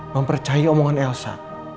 mempercayai omongan elsa